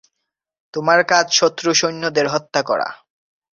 তোমার কাজ শত্রু সৈন্যদের হত্যা করা।